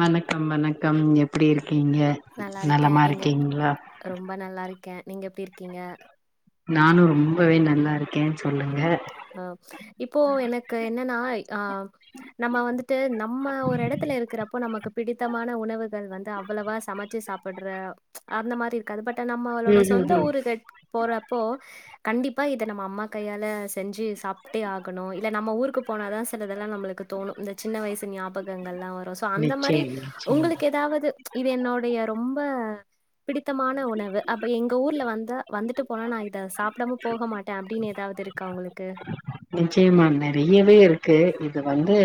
வணக்கம் வணக்கம் எப்டி இருக்கீங்க நல்லா இருக்கே நலமா நீங்க நல்லா இருக்கீங்களா ரொம்ப நல்லா இருக்கே நீங்க எப்டி இருக்கீங்க நானு நானும் ரொம்பவே நல்லா இருக்கே சொல்லுங்க அ இப்போ எனக்கு என்னன்னா ஆ நம்ம வந்துட்டு ந நம்ம ஒரு எடத்துல இருக்கிறப்போ நமக்கு பிடித்தமான உணவுகள் வந்து அவ்ளோவா சமச்சி சாப்புட்ற அந்த மாரி இருக்காது பட் நம்மளோட ம் ம் சொந்த ம் ஊருக்கு போறப்போ கண்டிப்பா இத நம்ம அம்மா கையால செஞ்சி சாப்டேஆகணோ இல்ல நம்ம ஊருக்கு போனா தா சிலதெல்லா நம்பளுக்கு தோணு இந்த சின்ன வயசு ஞாபகங்கள்லா வரு சோ அந்த மாரி நிச்சயம் நிச்சயம் உங்களுக்கு ஏதாவது இது என்னோடைய ரொம்ப பிடித்தமான உணவு அப்ப எங்க ஊர்ல வந்து வந்துட்டு போனா நா இத சாப் டாம போக மாட்டே அப்டின்னு ஏதாவது இருக்கா உங்களுக்கு நிச்சயமா நெறியவே இருக்கு இது வந்து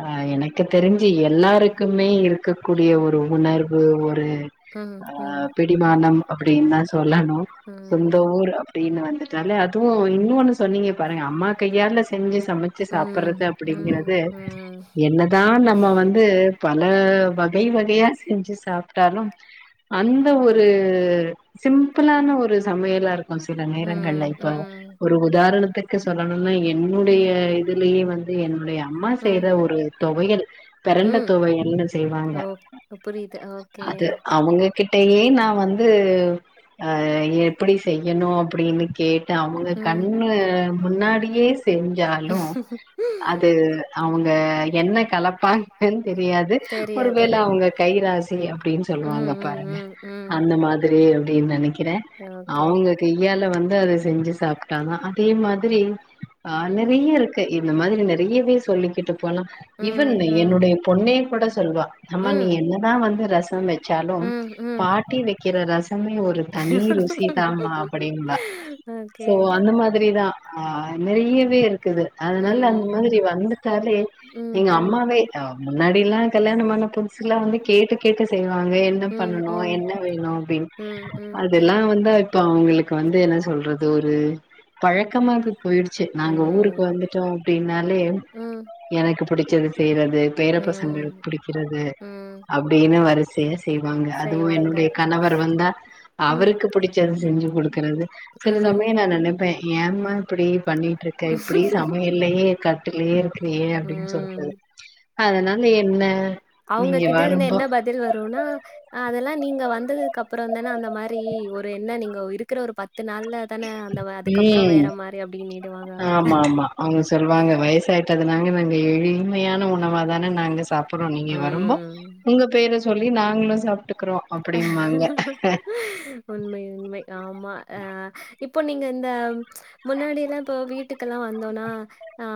ஆ எனக்கு தெரிஞ்சி எல்லாருக்குமே இருக்க கூடிய ஒரு உணர்வு ஒரு ம், அ ஆ ம், பிடிமானம் அப்டின் தா சொல்லனும் சொந்த ம். ஊர் அப்டீன்னு வந்துட்டாலே அதுவு இன்னோன்னு சொன்னீங்க பாருங்க அம்மா இது ஏன்டா செஞ்சு சமைச்சு ம், சாப்டுறது ம், ம், அப்டிங்கறது ம், என்னதா நம்ம வந் ந்து பல வகை வகையா செஞ்சு சாப்ட்டாலும் அந்த ஒரு சிம்பிளான ஒரு சமையலார் ஒரு சில நேரங்கள்ல ம், இப்ப ஒரு உதாரணத்துக்கு சொல்லணும்னா என்னுடைய ம், இதுலயே வந் து என்னுடைய அம்மா செய்த ம், ஒரு தொவயல் பெரண்ட தொவையல்னு செய்வாங்க புரிது ஓகே அவங்ககிட்டயே நான் வந்து ஆ எப்டி செய்யணும் அப்டின்னு கேட்டு அவுங்க ம். கண்ணு முன்னாடியே செஞ்சாலும் அது அவுங்க என்ன கலப்பாங்கன்னு தெரியாது தெரியாது ஒருவேள அவுங்க கைராசி அப்டின்னு ம் சொல்லுவாங்க ம் பாருங்க ம் ம் அந்த மாதிரி அப்டி இப்டின்னு நினைக்கிறேன் ஓகே அவுங்க கையால வந்து அத செஞ்சு சாப்ட்டாதான் அதே மா திரி ஆ நறைய இருக்கு இந்த மாதிரி நறையாவே சொல்லிக்கிட்டு போலாம் இவன் ம் ம் என்னுடைய பொண்ணே கூட சொல்லுவா அம்மா நீ ம் என்னதான் வந்து ரசம் வச்சாலும் ம் ம் பாட்டி வைக்கிற ரசமே ஒரு தனி ருசிதாம்மா அப்டிம்பா ஓகே சோ அந்த மாதிரிதான் ஆ நிறையவே இருக்குது அதனால நமக்கு ம் அந்த மாதிரி வந்துட்டாலே ம் எங்க ம் அம்மாவே முன்னாடி எல்லாம் கல்யாணமான புதுசுல எல்லாம் வந்து கேட்டு கேட்டு செய்வாங்க என்ன ம் பண்ணனும் ம் என்ன வேணும் அப்டின் ம் ம் அதெல்லாம் வந்தா இப்ப அவங்களுக்கு வந்து என்ன சொல்றது ஒரு பழ பழக்கமாவே போயிடுச்சு நாங்க ஊருக்கு ம் வந்துட்டோம் அப்டின்னாலே ம் எனக்கு பிடிச்சது செய்றது பேர பசங்களுக்கு ம் புடிக்கிறது ம் அப்டின்னு வரி ஸ்சையா செய்வாங்க அதும் செய்வாங்க என்னோட கணவர் வந்தா ம் அவருக்கு புடி ச்சத செஞ்சு கொடுக்கறது சில ம் சமயம் நான் நினைப்பேன் ஏம்மா அப்டியே பண்ணிட்டு இருக்க இப்டி சமையலையே கட்டுலேயே இருக்கிறயே அப்டின்னு சொல்ட்டு நீங்க அவுங்ககிட்ட இருந்து வரும்போ என்ன பதில் வரும்னா அதெல்லாம் நீங்க வந்ததுக்கு அப்பறம் தானே அந்த மாரி ஒரு என்ன நீங்க இருக்கிற ஒரு பத்து நாள்ல த்தன அந்த அதுக்கப்பறம் ம் வேற மாரி அப்டின்னிடுவாங்க அவங்க அவுங்க சொல்லுவாங்க வயசாயிட்டதுனால நாங்க எளிமையான உணவாதான நாங்க சாப்புறோ நீங்க வரும்போ ம் உங்க பேர சொல்லி நாங்ளு சாப்ட்டுக் க்றோ அப்டிம்பாங்க உண்மை உண்மை ஆமா ஆ இப்போ நீங்க இந்த முன்னாடி எல்லா இப்போ வீட்டுக்கெல்லா வந்தோனா ஆ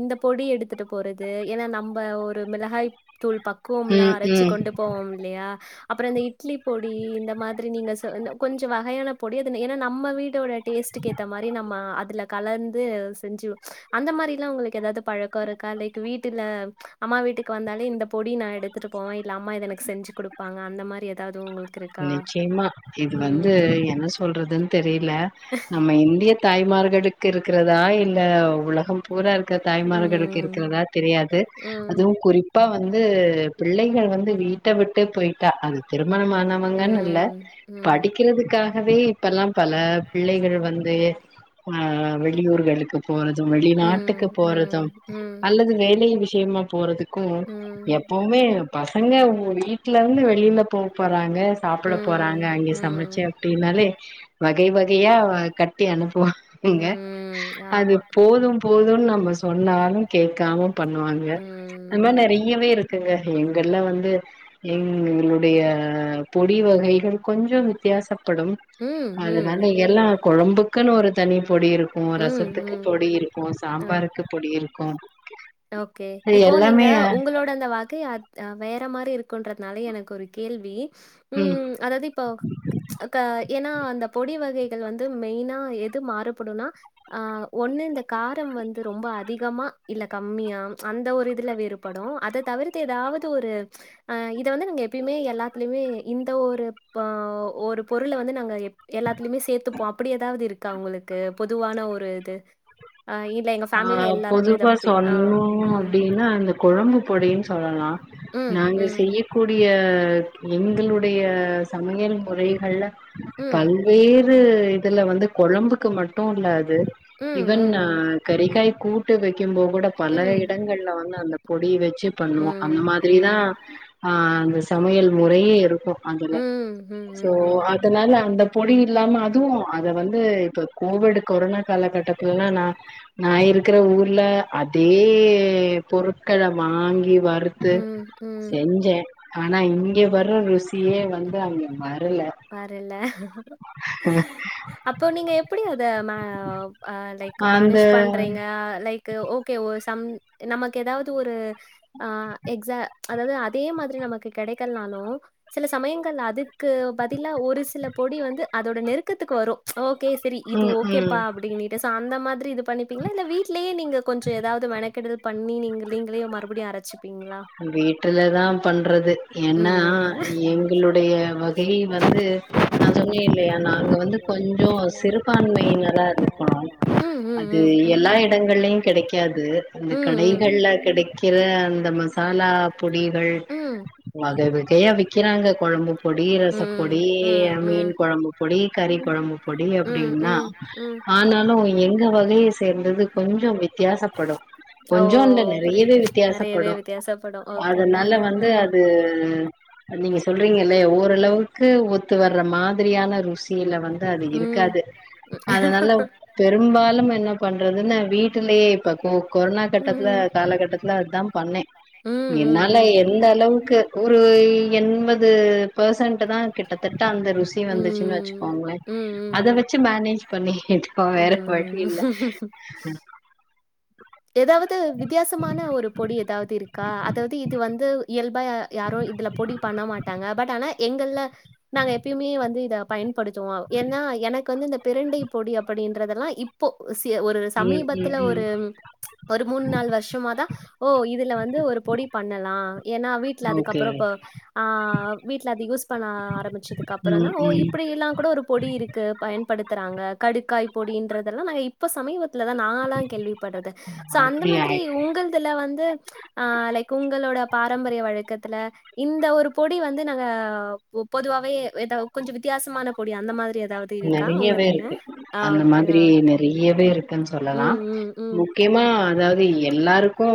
இந்த பொடி எடுத்துட்டு போறது எனா நம்ப ஒரு மிளகாய்த்தூள் பக் கோம்லா ம் அரச்சி ம் கொண்டு போவோம் இல்லையா அப்றோ அந்த இட் ட்லி பொடி இந்த மாதிரி நீங்க சொ ன கொஞ்ச வகையானப் பொடி அதுன எனா நம்ம வீட்டோட டேஸ்டுக்கு ஏத்த மாரி நம்ம அதுலக் கலந்து செஞ்சுவோ அந்த மாரிலா உங்குளுக்கு எதாது பழக்கோ இருக்கா லைக் வீட்டுல அம்மா வீட்டுக்கு வந்தாலே இந்தப் பொடி நா எடுத்துட்டு போவே இல்ல அம்மா இத எனக்கு செஞ்சு குடுப்பாங்க அந்த மாரி எதாவ்து உங்ளுக் நிச்சயமா இது வந்து என்ன சொல்றதுன் தெரில நம்ம இந்தியத் தாய்மார்களுக்கு இருக்கிறதா இல்ல உலகம் பூரா இருக்க ம் தாய்மார்களுக்கு ம் இருக்கிறதாத் தெரியாது ம் ம் ம் அதுவு குறிப் இப்ப வந்து பிள்ளைகள் வந்து வீட்ட விட்டு போயிட்டா அது திருமணமானம் னங்னுல்ல ம் ம் படிக்கில் இதுக்காகவே இப்பலாம் பல பிள்ளைகள் வந்து ஆ வெளியூர்களுக்கு போறது வெளிநாட்டுக்குப் போறதும் அல்லது வேலை விஷ்யமா போறதுக் க்கு எப்பவுமே பசங்க வு வீட்லருந்து வெளிலப் போப் போறாங்கச் ம் சாப்பிட போறாங்க ம் அங்கே ம் சமைச்சே அப்டினாலே வகை வகையா கட்டி அனுப்புவாங்க ம் அது ஆமா போதும் போதுன் நம்ம சொன்னாலும் கேக்காம பண்ணுவாங்க ம் அந் மாரி நெறைய் யவே இருக்குங்க எங்கல்லா வந்து எங்களுடைய பொடி வகைகள் கொஞ்சம் வித்தியாசப்படும் ம் அதனால ம் எல்லா கொழம்புக்குனு ஒரு தனி பொடி இருக்கு ம் ரசத்துக்கு ம் பொடி இருக்கு ஆ சாம்பாருக்குப் பொடி இருக்கு ஓகே... அது இப்போ நீங்க எல்லாமே உங்களோட் டந்த வகை அத் அ வேற மாரி இருக்குன்றதனால எனக்கு ஒரு கேள்வி. ம்.... அதாவது இப்போ க எனா அந்தப் பொடி வகைகள் வந்து மெய்னா எது மாறுபடுன்னா அ ஒன்னு இந்த காரம் வந்து ரொம்ப அதிகமா, இல்லக் கம்மியா அந்த ஒரு இதுல வேறுபடு அதத் தவிர்த்து எதாவது ஒரு... அ இத வந்து நாங்க எப்பியுமே எல்லாத்லியுமே இந்த, ஒருப்ப ஒருப் பொருள வந்து நாங்க எப் எல்லாத்லியுமே சேத்துப்போ அப்டி எதாவது இருக்கா உங்களுக்கு பொதுவான ஒரு இது. [inaudible] ஆ இல்ல எங்க ஃபேமிலில எல்லாருமே இதப்.. சொன்னோ அப்டினா அந்த கொழம்பு பொடின் சொல்லலா ம் நாங்க ம் செய்யக் கூடிய எங்களுடைய சமையல் முறைகள்ல ம் பல் வேறு இதுல வந்து கொழம்புக்கு மட்டு இல்ல அது ம் ஈவன் ம் ம் கறிகாய் கூட்டு வைக்கும்போ கூடப் பல ம் இடங்கள்ல வந்து அந்தப் பொடி வச்சுப் ம் ம் பண்ணுவோ அந்த ம் மாதிரிதா ம் ஆ அந்த சமையல் முறையே இருக்கு அதுல ம் சோ ம் அதனால அந்தப் பொடி இல்லாம அதுவு அத வந்து இப்ப கோவிடு கொரோனா காலகட்டத்துல்லா நா நா இருக்கிற ஊர்ல அதே பொருட்கள வாங்கி வறுத் து ம் ம் செஞ்சே ஆனா இங்க வர்ற ருசியே வந்து அங்க வரல வரல... அப்போ நீங்க எப் எப்படி அத ம அ லைக் அந்த மனேஜ் பண்றீங்க லைக் கு ஓகே ஓ சம் நமக்கு ஏதாவது ஒரு ஆ எக்ச அதாவது அதே மாதிரி நமக்கு கெடைக்கல்னாலு சில சமயங்கள் அதுக்கு பத் திலா ஒரு சில பொடி வந்து அதோட நெருக்கத்துக்கு வரு ஓகே சரி இது ம் ஓகேப்பா ம் அப்டின்னிட் சோ அந்த மாதிரி இது பண்ணப்பீங்களா இல்ல வீட்லயே நீங்க கொஞ்சோ ஏதாவது மெனக்கெடுதுதல் பண் னி நீங்க நீங்களே மறுபடியு அரச்சு வீட்டுல தா பண்றது ம் ஏன்னா நானு. எங்களுடைய வகையே வந்து நா சொன்னே இல்லையா நாங்க வந்து கொஞ்சோ சிறுபான்மையினரா இருக்கோ ம் ம் அது ம் ம். எல்லா இ இடங்கள்ளயு கடைக்காது அந்த ம் இந்த ம். கடைகள்ல கிடைக்கிற அந்த மஸ் மசாலா ‌பொடிகள் ம். வகை வகையா விக்கிறாங்க கொழம்புக் பொடி ம் ரசப்பொடி ம் மீன் ம். கொழம்பு பொடி கறி கொழம்பு பொடி ம் ம் அப்டின்னா ம். ஆனாலு எங்க வகையை சேர்ந்தது கொஞ்சோ வித் வித்தியாசப்படு கொஞ்சோ இல்ல நெறையவே புரியுது நெறையவே வித்தியாசப்படு வித்தியாசப்படு ஓ ஆ அதனால வந்து ம் அது து நீங்க சொல்றீங்கல்ல ஓரளவுக்கு ஒத்து வர்ற மாதிரியான ருசி யில வந்து அது ம் இருக்காது அதனால பெரும்பாலும் என்ன பண்றதுன்ன வீட்டுலயே இப்ப‌ கொ கொரோனா கட்டத்துல ம் காலகட்டத்துல அதா பண்ணே ம் ம் என்னால ம் ம் எந்த அளவுக்கு ஒரு எண்பது பெர்சன்டு தா கிட்டத்தட்ட அந்த ருசி வந்துச்சுன் வச்சுக்கோங்கள ம் அத ம் வச்சு மனேஜ் பண்ணிட்டுகிட்டோ வேற ம் வழி ம் ம் இல்ல எதாவது வித்தியாசமான ஒரு பொடி எதாவது இருக்கா அதாது இது வந்து இயல்பா யாரு இதுல பொடி பண்ண மாட்டாங்க பட் ஆனா எங்கல்ல நாங்க எப்பயுமே வந்து இத பயன்படுத்துவோ ஏன்னா எனக்கு வந்து இந்த பிரண்டை பொடி அப்டின்றதெல்லா இப் போ சி ஒரு ம் ம் சமீபத்துல ஒரு ம் ஒரு மூணு நால் வருஷமாதா ஓ இதுல வந்து ஒரு பொடி பண்ணலா ஏன்னா வீட்ல ஓகே அதுக்கப்புறோ இப்போ ஆ வீட்ல அது யூஸ் பண்ண ஆரம்பிச்சதுக்கு அப்புறோ தா ம் ஓ ம் இப்படி எல்லா கூட ஒரு பொடி இருக்கு பயன்படுத்துறாங்க கடுக்காய் பொடின்றதெல்லா நா இப்ப சமீபத் டுல தா நாலா கேள்விப்படுறது சோ அந்த அப்படியா மாதிரி உங்கள்துல வந்து ஆ லைக் உங்களோட பாரம்பரிய வழக்கத்துல இந்த ஒரு பொடி வந்து நாங்க பொதுவாவே ஏதா கொஞ்சோ வித்யாசமான பொடி அந்த மாரி ஏதாவது இருக்கா நெறையவே உங்கதுல? இருக்கு ஆ அந்த ஓகே. மாதிரி நெறையவே இருக்குன் சொல்லலா ம், ம், ம். மு முக்கியமா அதாவது எல்லாருக்கு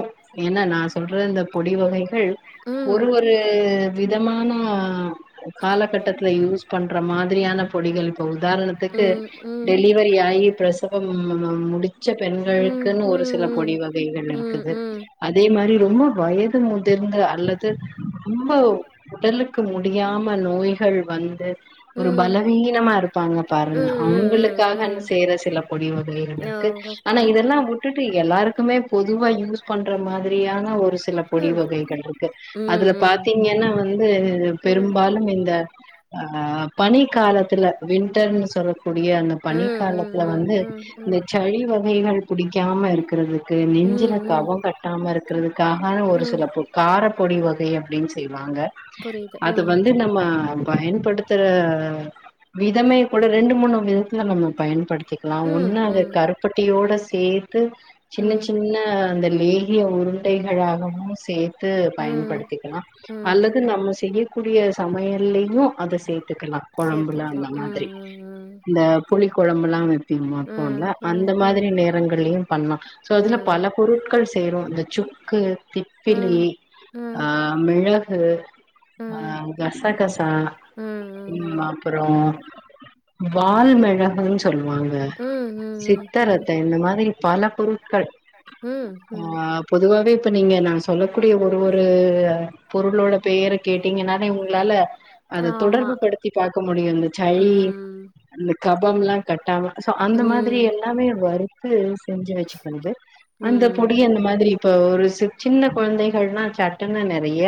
ஏன்னா நா சொல்ற இந்த பொடி வகைகள் ம் ஒரு ஒரு விதமான காலகட்டத்துல யூஸ் பண்ற மாதிரியான பொடிகள் இப்ப உதாரணத்துக்கு ம் ம் டெல்லி வரி ஆகி பிரசவம் முடித் ச்ச ம் பெண்களுக்குன்னு ஒரு சில பொடி ம் வகைகள் ம் இருக்குது ம் அதே மாரி ரொம்ப வயது முதிர்ந்த அல்லது ரொம்ப உடலுக்கு முடியாம நோய்கள் வந்து ஒரு ம் பலவீனமா இருக் ப்பாங்க பாருங்க அவங்களுக்காக அந்த செய்ற சில பொடி வகைகள் இருக்கு ஆனா இதெல்லா மு விட்டுட்டு எல்லாருக்குமே பொதுவா யூஸ் பண்ற மாதிரியான ஒரு சில பொடி வகைகள் இருக்கு அதுல வகைகள் பாத்தீங்கன்னா வந்து வந்து ம் பெரும்பாலும் இந்த ஆ பனி காலத்துல வின்டர்னு சொல்லக்கூடிய அந்த பனி காலத்துல வந்து இந்த வந்து சளி வகைகள் புடிக்காம இருக்கிறதுக்கு ம் நெஞ்சில ம் கவொ கட்டாம இருக் கிறதுக்காக ஒரு ம் சில காரப்பொடி வகை அப்டின் செய்வாங்க புரியுது அது ம் வந்து நம்ம பயன்படுத்துற விதமே கூட ரெண்டு மூணு விதத்துல நம்ம பயன்படுத்திக்கலாம் ம் ஒன்னு அத ம் கரு பட்டியோட சேத்து சின்ன ம் சின்ன அந்த லேகிய உருண்டைகளாகவு சேத்து ம் பயன்படுத்திக்கலா ம் அல்லது நம்ம செய்யக்கூடிய சமையல்லயு அத சேத்துக்கலா சேத்துக்கலா குழம்புலல்லா ம் நன்றி ம் இந்த புளி குழம்புலா வைப்பிமா ம் ஃபோன்ல அந்த ம் ம் மாரி நேரங்கள்லயு பண்லா சோ இதுல ம் பல பொருட்கள் சேரு இந்த சுக்கு திப்பிலி ம் ம் ம் ம் ஆ மிளகு ஆ கசகசா ம் ம் ம் ம் அப்பறோ வால்மிளகுனு சொல்வாங்க ம் சித்தரத்தை இந்த மாதிரி பல பொருட்கள் ஆ ம்ம் பொதுவாவே இப்ப நீங்க நா சொல்லக்கூடிய ஒரு ஒரு பொருளோட பெயர கேட்டீங்கனாலே உங்களால அத ஆமா தொடர்பு படுத்தி பாக்க முடியனு சளி ம் இந்த கபம்லா கட்டாம சோ ம் அந்த மாதிரி ம் எல்லாமே வறுத்து செஞ்சு வச்சிக்றது ம் இந்த மாதிரி இப்ப ஒரு சி சின்ன குழந்தைகள்னா சட்டுனு‌ நெறைய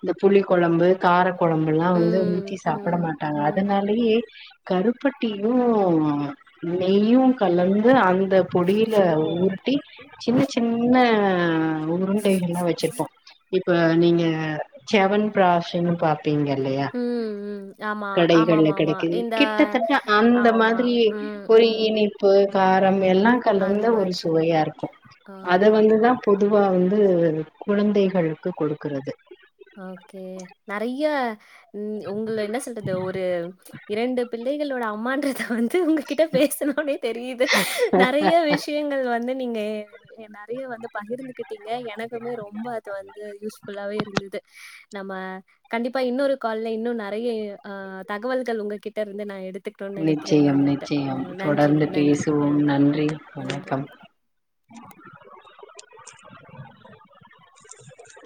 இந்த புளி கொழம்பு கார கொழம்புலா வந்து ஊத்தி ம் சாப்பிட ம் மாட்டாங்க அதனால நெய்யி கருப்பட்டியு நெய்யு கலந்து அந்த பொடியில ஊருட்டி சின்ன சின்ன உருண்டைகளா வச்சிருப்போ இப்ப நீங்க செவன் பிராஷ்ன் பாப்பீங்க இல்லையா ம் ம் ஆமா கடைகள்ல ஆமாமாமா கிடைக்குது இந்த கிட்டத்தட்ட அந்த ஆமா மாதிரி ம் ஒரு ம் இனி ப்பு காரம் அந்த எல்லாங்கலந்த ஒரு மாதிரி சுவையா இருக்கு ஆ அத வந்துதா பொதுவா வந்து குழந்தைகளுக்கு கொடுக்கறது ஓகே நறைய ம் உங்ள என்ன சொல்றது ஒரு இரண்டு பிள்ளைகளோட அம்மான்றத வந்து உங்க கிட்ட பேசுனோனே தெரியுது நெறைய விஷ் யங்கள் வந்து நீங்க எ நெறைய வந்து பகிர்ந்துகிட்டீங்க எனக்குமே ரொம்ப அது வந்து யூஸ்ஃபுல்லாவே இருந்தது நம்ம கண்டிப்பா இன்னொரு கால்ல இன்னு நெறைய ஆ தகவல்கள் உங்ககிட்ட இருந்து நா எடுத் நிச்சயம் நிச்சயம் நன்றிங்க, தொடர்ந்து நன்றி. அ பேசுவோம் நன்றி நன்றி. வணக்கம்